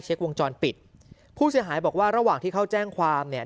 วงจรปิดผู้เสียหายบอกว่าระหว่างที่เขาแจ้งความเนี่ย